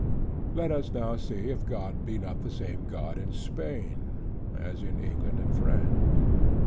Let us now see if God be not the same God in Spain, as in England and France.